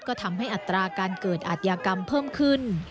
ก็ทำให้อัตราการเกิดอาทยากรรมเพิ่มขึ้น